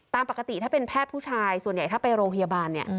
ตามปกติถ้าเป็นแพทย์ผู้ชายส่วนใหญ่ถ้าไปโรงพยาบาลเนี่ย